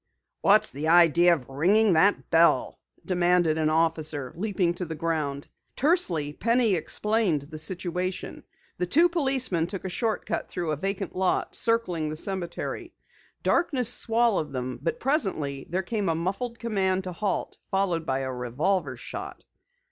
"What's the idea of ringing that bell?" demanded an officer, leaping to the ground. Tersely Penny explained the situation. The two policemen took a short cut through a vacant lot, circling the cemetery. Darkness swallowed them, but presently there came a muffled command to halt, followed by a revolver shot.